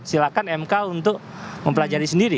silakan mk untuk mempelajari sendiri